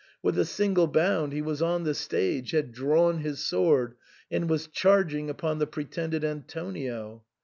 With a single bound he was on the stage, had drawn his sword, and was charging upon the pretended Antonio.